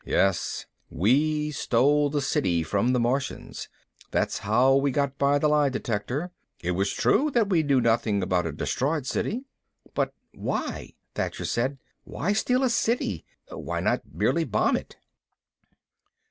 "Yes, we stole the City from the Martians. That's how we got by the lie detector. It was true that we knew nothing about a destroyed City." "But why?" Thacher said. "Why steal a City? Why not merely bomb it?"